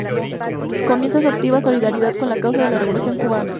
Comienza su activa solidaridad con la causa de la Revolución Cubana.